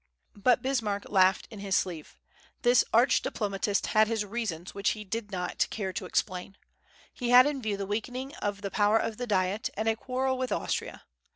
But Bismarck laughed in his sleeve. This arch diplomatist had his reasons, which he did not care to explain. He had in view the weakening of the power of the Diet, and a quarrel with Austria.